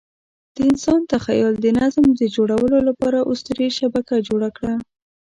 د انسان تخیل د نظم د جوړولو لپاره اسطوري شبکه جوړه کړه.